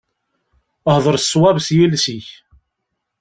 Hder ṣṣwab s yiles-ik.